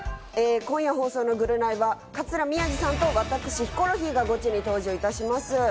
今夜放送の『ぐるナイ』は桂宮治さんと私、ヒコロヒーがゴチに登場します。